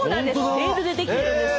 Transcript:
レールで出来てるんです。